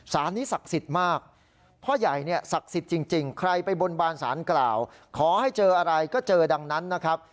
สารนี้ศักดิ์สิทธิ์มากพ่อใหญ่เนี่ยศักดิ์สิทธิ์จริงใครไปบนบานสารกล่าวขอให้เจออะไรก็เจอดังนั้นนะครับ